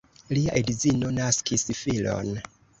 Lia edzino naskis filon.